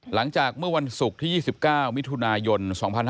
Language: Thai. หลังจากเมื่อวันศุกร์ที่๒๙มิถุนายน๒๕๕๙